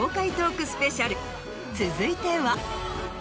続いては。